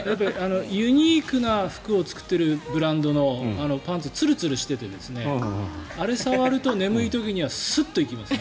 ユニークな服を作っているブランドのパンツツルツルしていてあれ、触ると眠い時にはすっと行きますね。